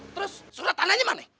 terus surat tanahnya mana